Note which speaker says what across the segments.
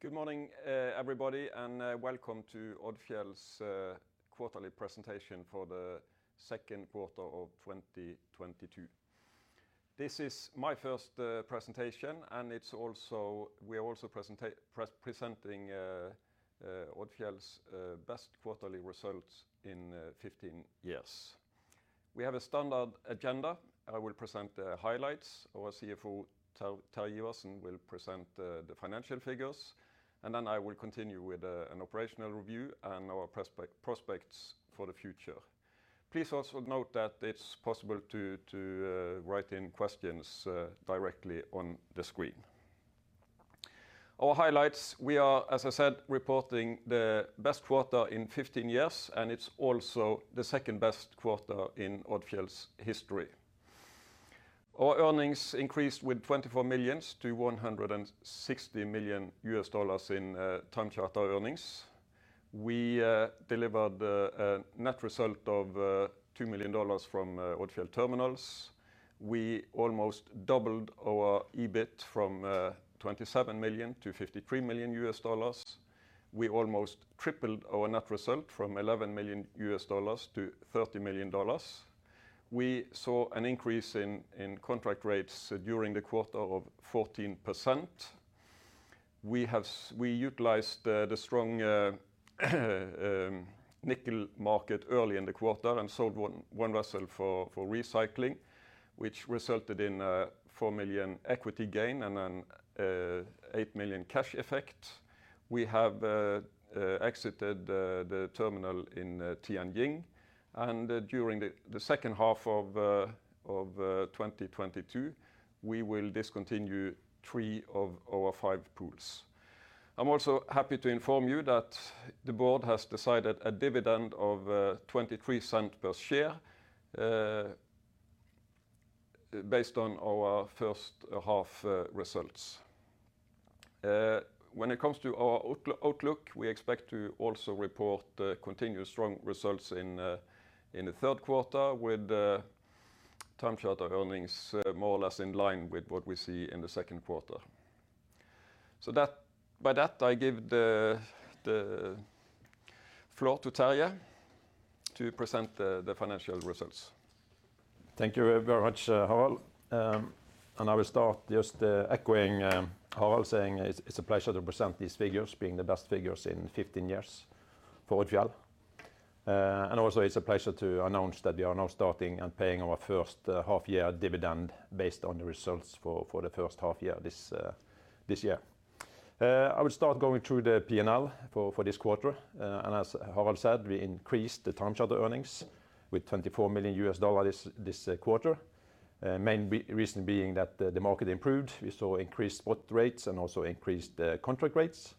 Speaker 1: Good morning, everybody, and welcome to Odfjell's Quarterly Presentation for the Second Quarter of 2022. This is my first presentation, and we are also presenting Odfjell's best quarterly results in 15 years. We have a standard agenda. I will present the highlights. Our CFO, Terje Iversen, will present the financial figures. I will continue with an operational review and our prospects for the future. Please also note that it's possible to write in questions directly on the screen. Our highlights. We are, as I said, reporting the best quarter in 15 years, and it's also the second-best quarter in Odfjell's history. Our earnings increased with 24 million to $160 million in time charter earnings. We delivered the net result of $2 million from Odfjell Terminals. We almost doubled our EBIT from $27 million to $53 million. We almost tripled our net result from $11 million to $30 million. We saw an increase in contract rates during the quarter of 14%. We utilized the strong recycling market early in the quarter and sold one vessel for recycling, which resulted in $4 million equity gain and then $8 million cash effect. We have exited the terminal in Tianjin. During the second half of 2022, we will discontinue three of our five pools. I'm also happy to inform you that the board has decided a dividend of $0.23 per share based on our first half results. When it comes to our outlook, we expect to also report continuous strong results in the third quarter with time charter earnings more or less in line with what we see in the second quarter. By that, I give the floor to Terje to present the financial results.
Speaker 2: Thank you very much, Harald. I will start just echoing Harald saying it's a pleasure to present these figures being the best figures in 15 years for Odfjell. It's a pleasure to announce that we are now starting and paying our first half year dividend based on the results for the first half year this year. I will start going through the P&L for this quarter. As Harald said, we increased the time charter earnings with $24 million this quarter. Main reason being that the market improved. We saw increased spot rates and also increased contract rates.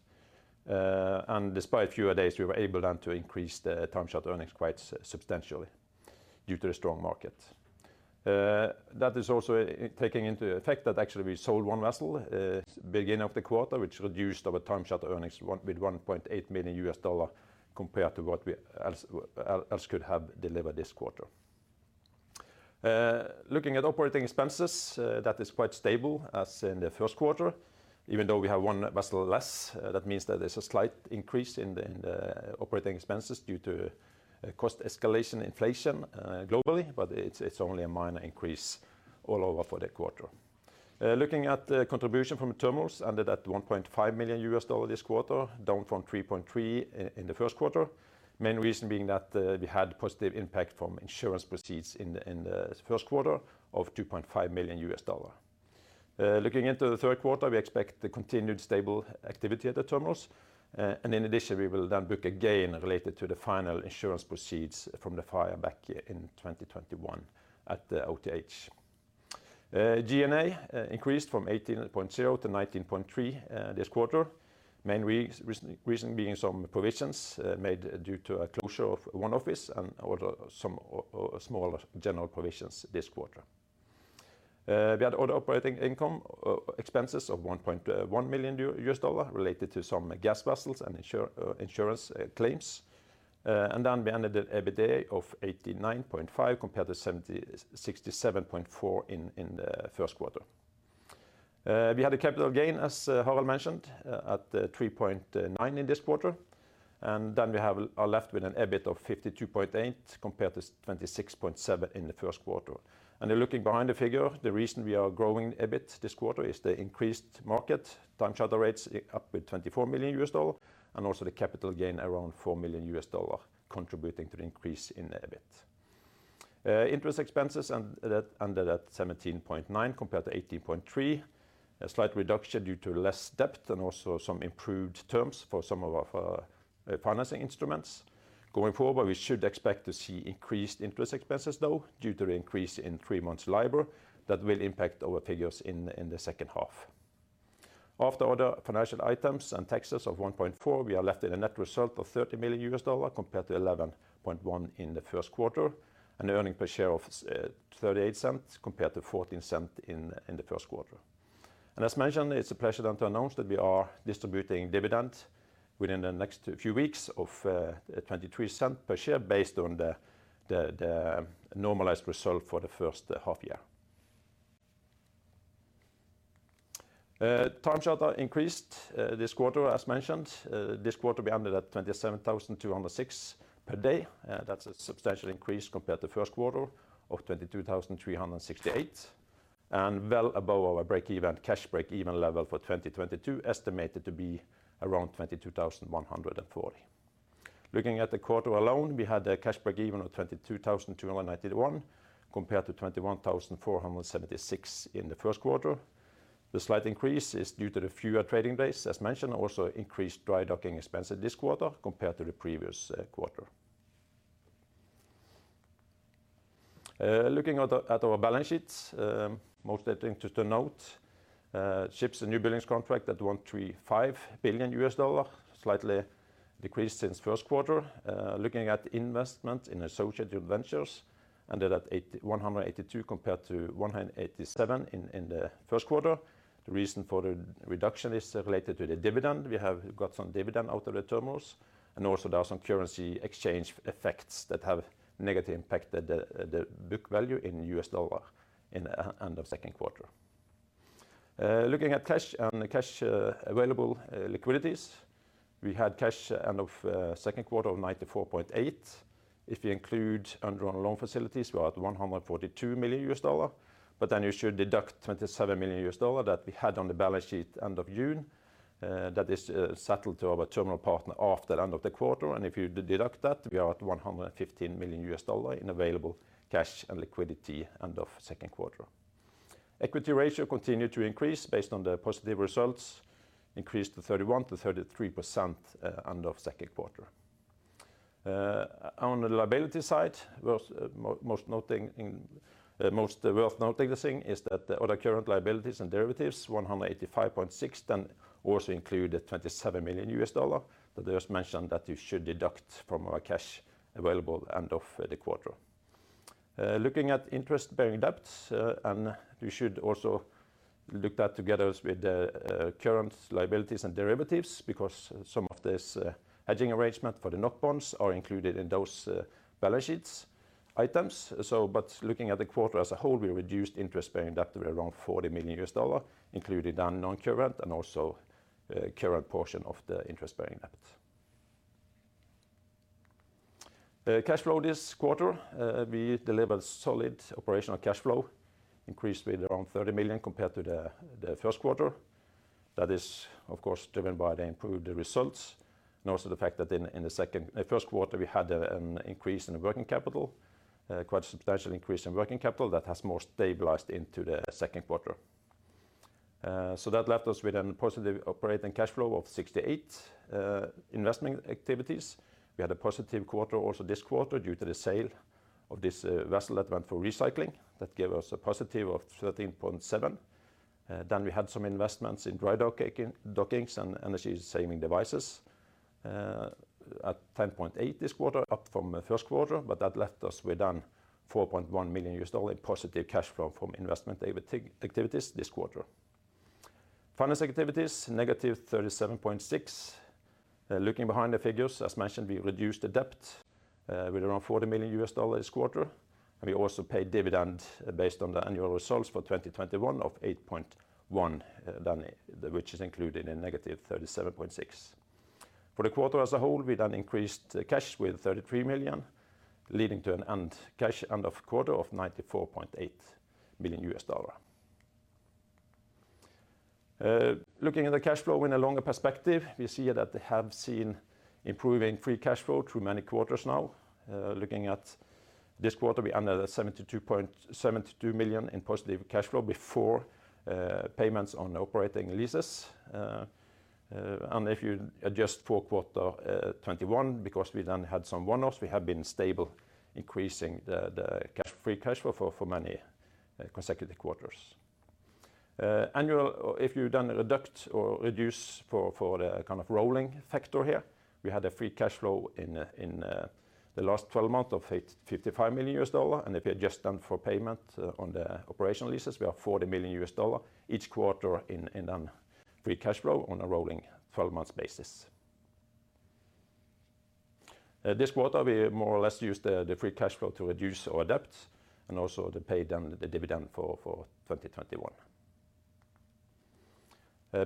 Speaker 2: Despite fewer days, we were able then to increase the time charter earnings quite substantially due to the strong market. That is also taking into account that actually we sold one vessel beginning of the quarter, which reduced our time charter earnings by $1.8 million compared to what we otherwise could have delivered this quarter. Looking at operating expenses, that is quite stable as in the first quarter, even though we have one vessel less. That means that there's a slight increase in the operating expenses due to cost escalation inflation globally, but it's only a minor increase all over for the quarter. Looking at the contribution from terminals ended at $1.5 million this quarter, down from $3.3 million in the first quarter. Main reason being that we had positive impact from insurance proceeds in the first quarter of $2.5 million. Looking into the third quarter, we expect the continued stable activity at the terminals. In addition, we will then book a gain related to the final insurance proceeds from the fire back in 2021 at the OTH. G&A increased from 18.0 to 19.3 this quarter. Main reason being some provisions made due to a closure of one office and also some smaller general provisions this quarter. We had other operating income expenses of $1.1 million related to some gas vessels and insurance claims. We ended EBITDA of 89.5 compared to 67.4 in the first quarter. We had a capital gain, as Harald mentioned, at 3.9 in this quarter. We are left with an EBIT of 52.8 compared to 26.7 in the first quarter. Looking behind the figure, the reason we are growing EBIT this quarter is the increased market. Time charter rates up with $24 million and also the capital gain around $4 million contributing to the increase in the EBIT. Interest expenses ended at 17.9 compared to 18.3. A slight reduction due to less debt and also some improved terms for some of our financing instruments. Going forward, we should expect to see increased interest expenses, though, due to the increase in three months LIBOR that will impact our figures in the second half. After other financial items and taxes of $1.4 million, we are left with a net result of $30 million compared to $11.1 million in the first quarter, and the earnings per share of $0.38 compared to $0.14 in the first quarter. As mentioned, it's a pleasure then to announce that we are distributing dividend within the next few weeks of $0.23 per share based on the normalized result for the first half year. Time charter increased this quarter as mentioned. This quarter we ended at 27,206 per day. That's a substantial increase compared to first quarter of $22,368, and well above our breakeven, cash breakeven level for 2022 estimated to be around $22,140. Looking at the quarter alone, we had a cash breakeven of $22,291 compared to $21,476 in the first quarter. The slight increase is due to the fewer trading days, as mentioned, also increased dry docking expenses this quarter compared to the previous quarter. Looking at our balance sheets, most interesting to note, ships and newbuildings contract at $1.35 billion, slightly decreased since first quarter. Looking at investment in associated ventures ended at $182 compared to $187 in the first quarter. The reason for the reduction is related to the dividend. We have got some dividend out of the terminals, and also there are some currency exchange effects that have negatively impacted the book value in U.S. dollar at the end of second quarter. Looking at cash and cash available liquidity, we had cash at the end of second quarter of $94.8 million. If you include undrawn loan facilities, we're at $142 million, but then you should deduct $27 million that we had on the balance sheet at the end of June that is settled to our terminal partner after end of the quarter. If you deduct that, we are at $115 million in available cash and liquidity at the end of second quarter. Equity ratio continued to increase based on the positive results, increased to 31%-33% end of second quarter. On the liability side, most worth noting this thing is that the other current liabilities and derivatives, $185.6 million, then also include the $27 million that I just mentioned that you should deduct from our cash available end of the quarter. Looking at interest-bearing debts, and we should also look that together with the current liabilities and derivatives because some of this hedging arrangement for the NOK bonds are included in those balance sheet items. Looking at the quarter as a whole, we reduced interest-bearing debt to around $40 million, including the non-current and also current portion of the interest-bearing debt. The cash flow this quarter, we delivered solid operational cash flow, increased with around $30 million compared to the first quarter. That is, of course, driven by the improved results, and also the fact that in the first quarter, we had an increase in the working capital, quite a substantial increase in working capital that has more stabilized into the second quarter. That left us with a positive operating cash flow of $68. Investment activities. We had a positive quarter also this quarter due to the sale of this vessel that went for recycling. That gave us a positive of $13.7. Then we had some investments in dry docking and energy saving devices at $10.8 this quarter, up from first quarter. That left us with $4.1 million in positive cash flow from investment activities this quarter. Finance activities, negative $37.6 million. Looking behind the figures, as mentioned, we reduced the debt with around $40 million this quarter. We also paid dividend based on the annual results for 2021 of $8.1 million, which is included in negative $37.6 million. For the quarter as a whole, we increased cash with $33 million, leading to an end cash end of quarter of $94.8 million. Looking at the cash flow in a longer perspective, we see that they have seen improving free cash flow through many quarters now. Looking at this quarter, we ended at $72 million in positive cash flow before payments on operating leases. If you adjust for Q1 2021, because we then had some one-offs, we have been stable, increasing the free cash flow for many consecutive quarters. If you then deduct or reduce for the kind of rolling factor here, we had a free cash flow in the last 12 months of $55 million and if you adjust then for payment on the operating leases, we have $40 million each quarter in free cash flow on a rolling 12 months basis. This quarter, we more or less used the free cash flow to reduce our debt and also to pay down the dividend for 2021.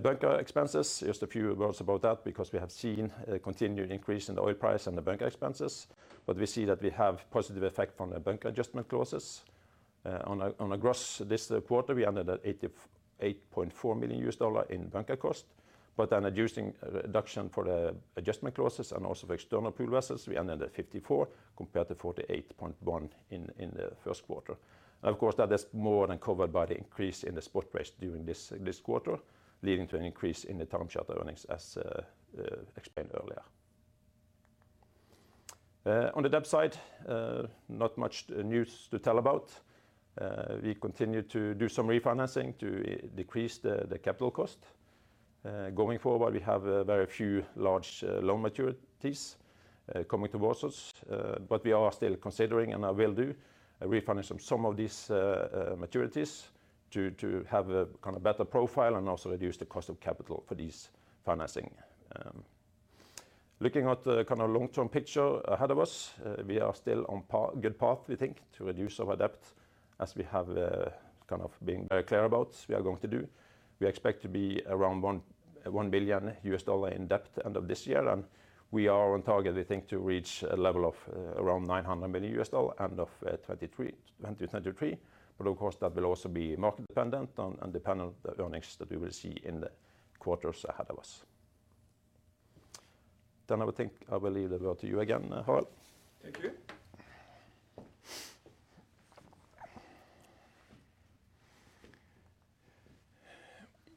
Speaker 2: Bunker expenses, just a few words about that because we have seen a continued increase in the oil price and the bunker expenses, but we see that we have positive effect from the bunker adjustment clauses. On a gross this quarter, we ended at $88.4 million in bunker cost, but on a reduction for the adjustment clauses and also for external pool vessels, we ended at $54 million compared to $48.1 million in the first quarter. Of course, that is more than covered by the increase in the spot price during this quarter, leading to an increase in the time charter earnings as explained earlier. On the debt side, not much news to tell about. We continue to do some refinancing to decrease the capital cost. Going forward, we have a very few large loan maturities coming towards us, but we are still considering and will do a refinance on some of these maturities to have a kind of better profile and also reduce the cost of capital for these financing. Looking at the kind of long-term picture ahead of us, we are still on a good path, we think, to reduce our debt as we have kind of been very clear about we are going to do. We expect to be around $1 billion in debt end of this year, and we are on target, we think, to reach a level of around $900 million end of 2023. Of course, that will also be market dependent on, and dependent on the earnings that we will see in the quarters ahead of us. I would think I will leave the word to you again, Harald.
Speaker 1: Thank you.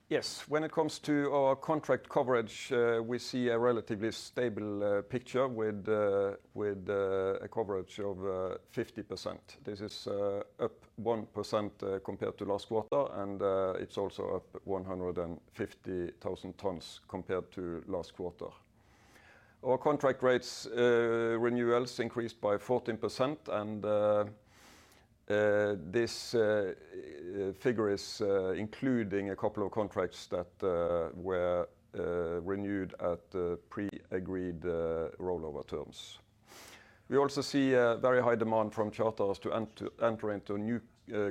Speaker 1: Yes, when it comes to our contract coverage, we see a relatively stable picture with a coverage of 50%. This is up 1% compared to last quarter and it's also up 150,000 tons compared to last quarter. Our contract rates renewals increased by 14%, and this figure is including a couple of contracts that were renewed at pre-agreed rollover terms. We also see a very high demand from charters to enter into new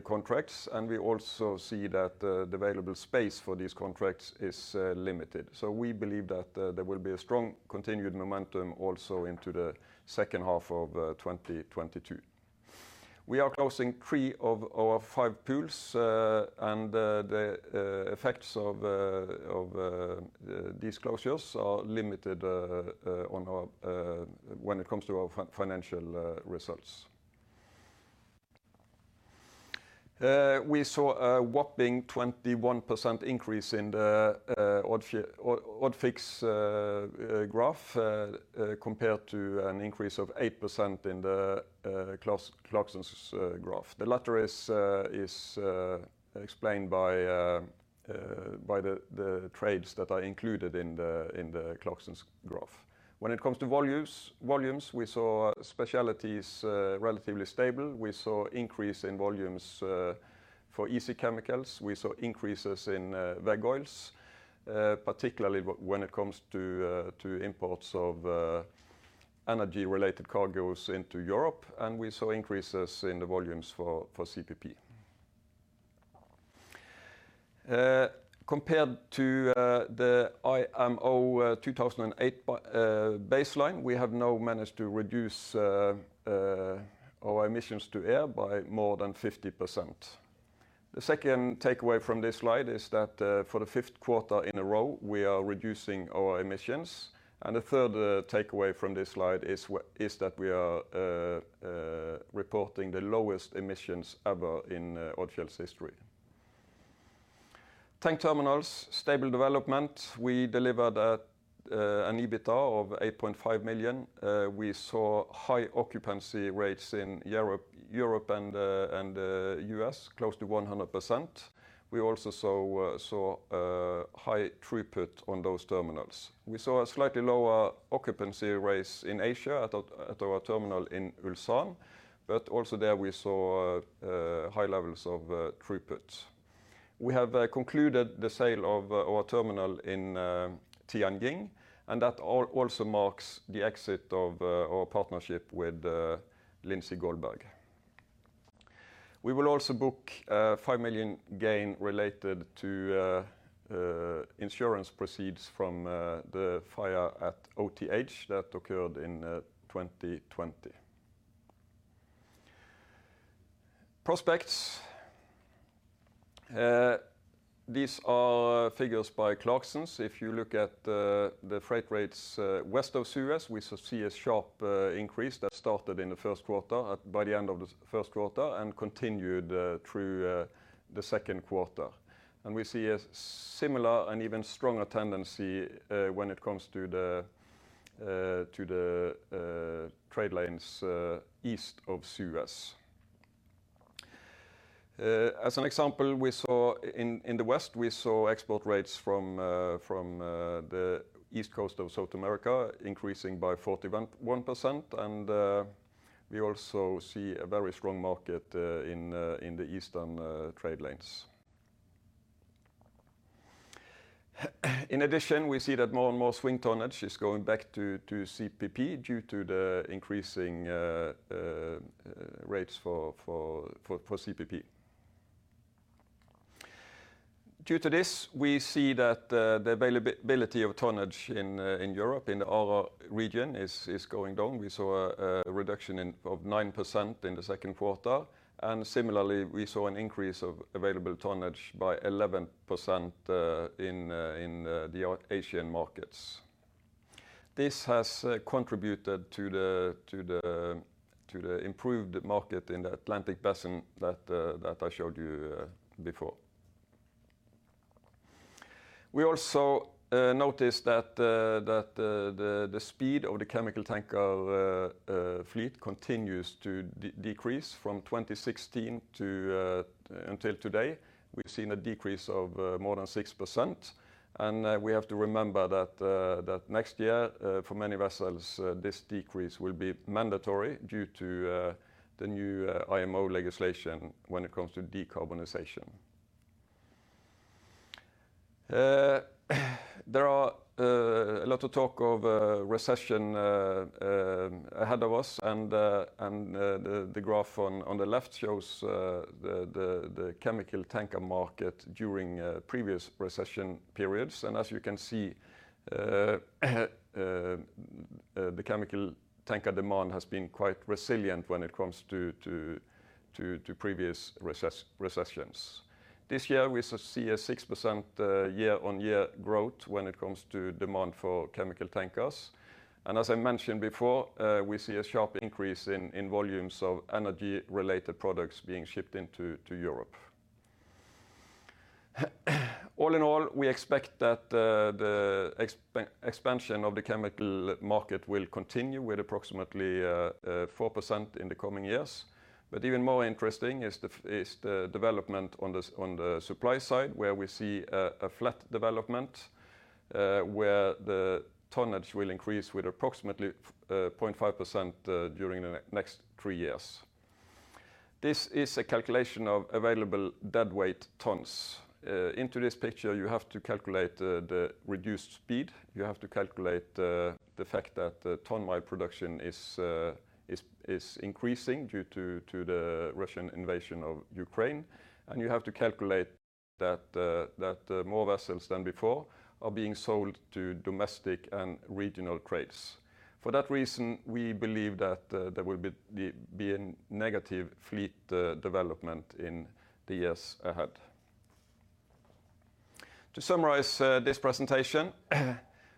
Speaker 1: contracts, and we also see that the available space for these contracts is limited. We believe that there will be a strong continued momentum also into the second half of 2022. We are closing three of our five pools, and the effects of these closures are limited when it comes to our financial results. We saw a whopping 21% increase in the Odfjell Tanker Index graph compared to an increase of 8% in the Clarksons graph. The latter is explained by the trades that are included in the Clarksons graph. When it comes to volumes, we saw specialties relatively stable. We saw increase in volumes for easy chemicals. We saw increases in veg oils, particularly when it comes to imports of energy-related cargos into Europe, and we saw increases in the volumes for CPP. Compared to the IMO 2008 baseline, we have now managed to reduce our emissions to air by more than 50%. The second takeaway from this slide is that, for the 5th quarter in a row, we are reducing our emissions. The third takeaway from this slide is that we are reporting the lowest emissions ever in Odfjell's history. Tank terminals, stable development. We delivered an EBITDA of $8.5 million. We saw high occupancy rates in Europe and U.S., close to 100%. We also saw high throughput on those terminals. We saw a slightly lower occupancy rates in Asia at our terminal in Ulsan, but also there we saw high levels of throughput. We have concluded the sale of our terminal in Tianjin, and that also marks the exit of our partnership with Lindsay Goldberg. We will also book $5 million gain related to insurance proceeds from the fire at OTH that occurred in 2020. Prospects. These are figures by Clarksons. If you look at the freight rates west of Suez, we see a sharp increase that started in the first quarter, by the end of the first quarter and continued through the second quarter. We see a similar and even stronger tendency when it comes to the trade lines east of Suez. As an example, we saw in the west export rates from the east coast of South America increasing by 41%, and we also see a very strong market in the eastern trade lines. In addition, we see that more and more swing tonnage is going back to CPP due to the increasing rates for CPP. Due to this, we see that the availability of tonnage in Europe, in our region, is going down. We saw a reduction of 9% in the second quarter. Similarly, we saw an increase of available tonnage by 11% in the Asian markets. This has contributed to the improved market in the Atlantic basin that I showed you before. We also noticed that the speed of the chemical tanker fleet continues to decrease from 2016 until today. We've seen a decrease of more than 6%, and we have to remember that next year, for many vessels, this decrease will be mandatory due to the new IMO legislation when it comes to decarbonization. There are a lot of talk of recession ahead of us and the graph on the left shows the chemical tanker market during previous recession periods. As you can see, the chemical tanker demand has been quite resilient when it comes to previous recessions. This year, we see a 6% year-on-year growth when it comes to demand for chemical tankers. As I mentioned before, we see a sharp increase in volumes of energy-related products being shipped into Europe. All in all, we expect that the expansion of the chemical market will continue with approximately 4% in the coming years. Even more interesting is the development on the supply side, where we see a flat development, where the tonnage will increase with approximately 0.5% during the next three years. This is a calculation of available deadweight tons. Into this picture, you have to calculate the reduced speed. You have to calculate the fact that ton-mile production is increasing due to the Russian invasion of Ukraine. You have to calculate that more vessels than before are being sold to domestic and regional trades. For that reason, we believe that there will be a negative fleet development in the years ahead. To summarize this presentation,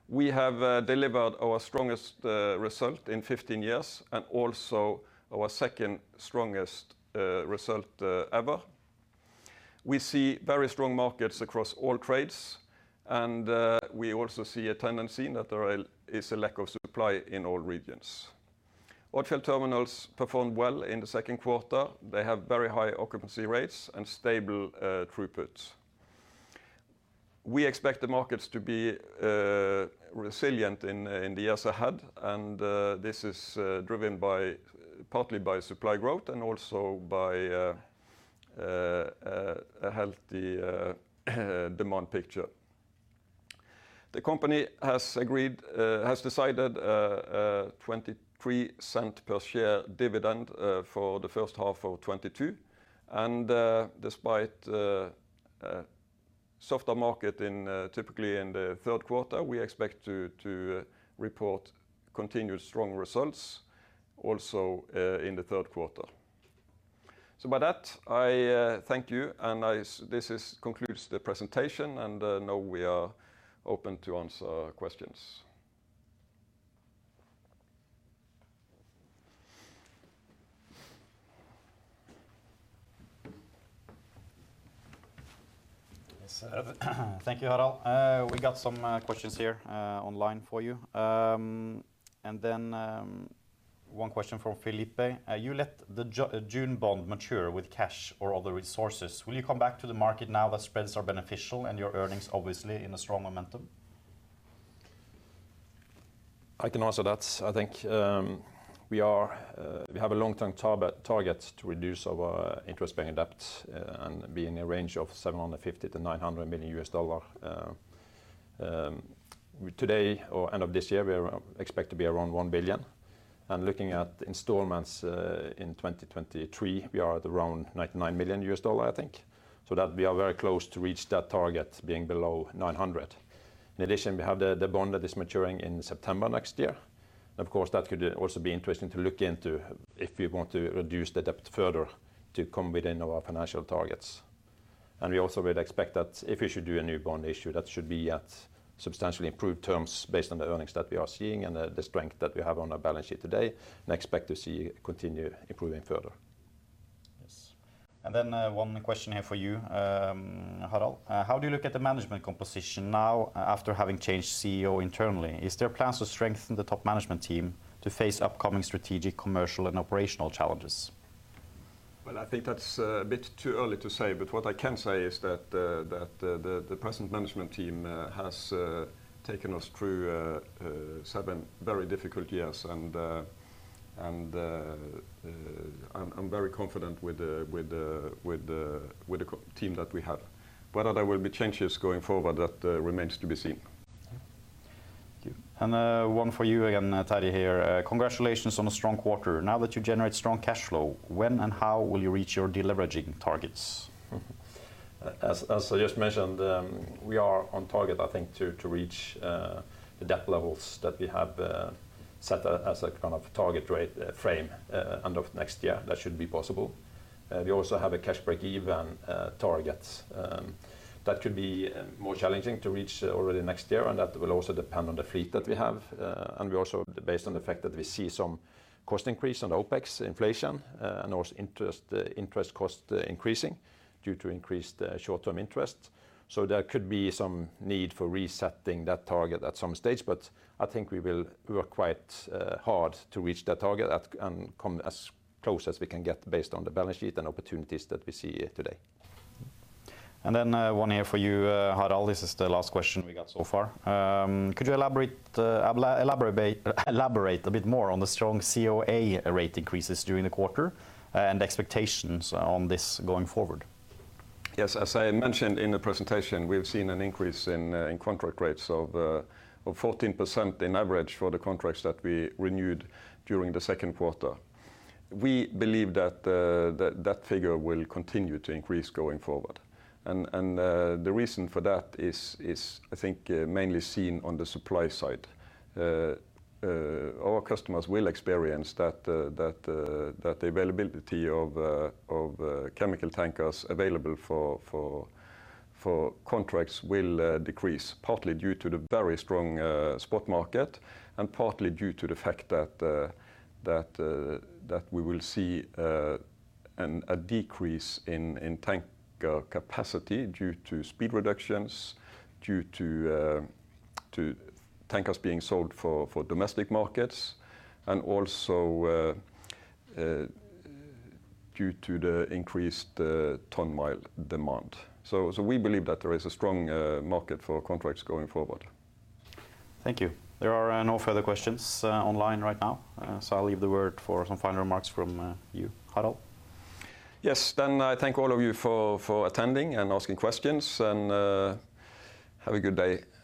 Speaker 1: we have delivered our strongest result in 15 years and also our second-strongest result ever. We see very strong markets across all trades, and we also see a tendency that there is a lack of supply in all regions. Odfjell Terminals performed well in the second quarter. They have very high occupancy rates and stable throughputs. We expect the markets to be resilient in the years ahead, and this is driven partly by supply growth and also by a healthy demand picture. The company has decided a $0.23 per share dividend for the first half of 2022. Despite softer market typically in the third quarter, we expect to report continued strong results also in the third quarter. With that, I thank you, and this concludes the presentation and now we are open to answer questions.
Speaker 3: Yes, sir. Thank you, Harald. We got some questions here online for you. One question from Felipe: "You let the June bond mature with cash or other resources. Will you come back to the market now that spreads are beneficial and your earnings obviously in a strong momentum?
Speaker 2: I can answer that. I think we have a long-term target to reduce our interest-paying debt and be in the range of $750 million-$900 million. Today or end of this year, we expect to be around $1 billion. Looking at installments in 2023, we are at around $99 million, I think, so that we are very close to reach that target being below $900 million. In addition, we have the bond that is maturing in September next year. Of course, that could also be interesting to look into if you want to reduce the debt further to come within our financial targets. We also would expect that if we should do a new bond issue, that should be at substantially improved terms based on the earnings that we are seeing and the strength that we have on our balance sheet today and expect to see continue improving further.
Speaker 3: Yes. One question here for you, Harald: "How do you look at the management composition now after having changed CEO internally? Is there plans to strengthen the top management team to face upcoming strategic, commercial, and operational challenges?
Speaker 1: Well, I think that's a bit too early to say. What I can say is that the present management team has seven very difficult years and I'm very confident with the core team that we have. Whether there will be changes going forward, that remains to be seen.
Speaker 3: Okay. Thank you. One for you again, Terje, here: "Congratulations on a strong quarter. Now that you generate strong cash flow, when and how will you reach your deleveraging targets?
Speaker 2: As I just mentioned, we are on target, I think, to reach the debt levels that we have set as a kind of target range end of next year. That should be possible. We also have a cash breakeven target that could be more challenging to reach already next year, and that will also depend on the fleet that we have. We also, based on the fact that we see some cost increase on OPEX inflation, and also interest cost increasing due to increased short-term interest. There could be some need for resetting that target at some stage, but I think we will work quite hard to reach that target, and come as close as we can get based on the balance sheet and opportunities that we see today.
Speaker 3: One here for you, Harald. This is the last question we got so far. Could you elaborate a bit more on the strong CoA rate increases during the quarter and expectations on this going forward.
Speaker 1: Yes. As I mentioned in the presentation, we have seen an increase in contract rates of 14% in average for the contracts that we renewed during the second quarter. We believe that figure will continue to increase going forward. The reason for that is, I think, mainly seen on the supply side. Our customers will experience that the availability of chemical tankers available for contracts will decrease, partly due to the very strong spot market and partly due to the fact that we will see a decrease in tanker capacity due to speed reductions, due to tankers being sold for domestic markets, and also due to the increased ton-mile demand. We believe that there is a strong market for contracts going forward.
Speaker 3: Thank you. There are no further questions online right now, so I'll leave the floor for some final remarks from you, Harald.
Speaker 1: Yes. I thank all of you for attending and asking questions and have a good day.